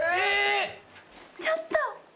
ちょっと。